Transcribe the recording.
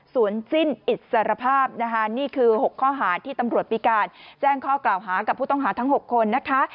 สิ้นอิสรภาพนะคะนี่คือ๖ข้อหาที่ตำรวจพิการแจ้งข้อกล่าวหากับผู้ต้องหาทั้ง๖คนนะคะ